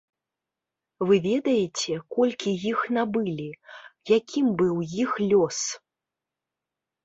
Вы ведаеце, колькі іх набылі, якім быў іх лёс?